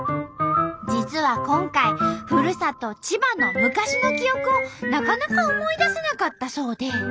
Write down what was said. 実は今回ふるさと千葉の昔の記憶をなかなか思いだせなかったそうで。